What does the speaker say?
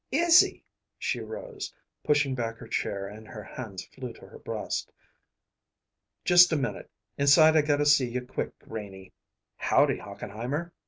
"Izzy!" She rose, pushing back her chair, and her hand flew to her breast. "Just a minute. Inside I gotta see you quick, Renie. Howdy, Hochenheimer?